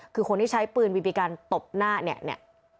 คือคนที่ใช้ปืนบีบีกันตบหน้าเนี่ย